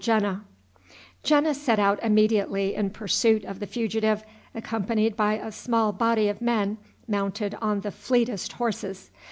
Jena set out immediately in pursuit of the fugitive, accompanied by a small body of men mounted on the fleetest horses.